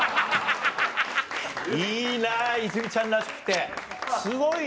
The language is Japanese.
いいな泉ちゃんらしくてすごいよ。